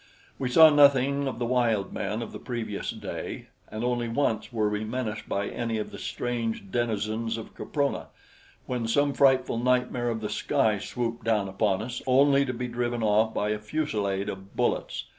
We saw nothing of the wild men of the previous day, and only once were we menaced by any of the strange denizens of Caprona, when some frightful nightmare of the sky swooped down upon us, only to be driven off by a fusillade of bullets.